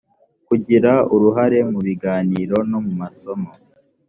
kugira uruhare mu biganiro no mu masomo